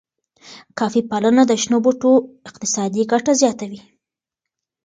کافی پالنه د شنو بوټو اقتصادي ګټه زیاتوي.